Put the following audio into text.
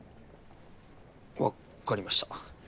わっかりました。